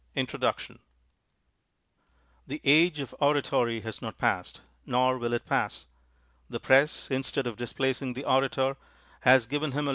INTRODUCTION The age of oratory has not passed; nor will it pass. The press, instead of displacing the ora tor, has given him a lar«